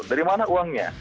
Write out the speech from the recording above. dari mana uangnya